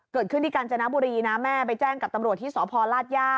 เกิดขึ้นที่กาญจนบุรีนะแม่ไปแจ้งกับตำรวจที่สพลาดย่า